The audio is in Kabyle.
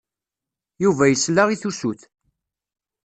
Yuba yesla i tusut.